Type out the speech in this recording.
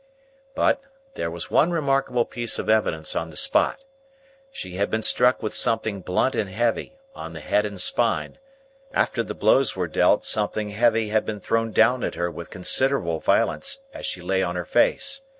But, there was one remarkable piece of evidence on the spot. She had been struck with something blunt and heavy, on the head and spine; after the blows were dealt, something heavy had been thrown down at her with considerable violence, as she lay on her face.